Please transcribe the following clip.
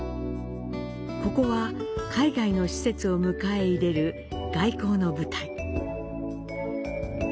ここは海外の使節を迎え入れる外交の舞台。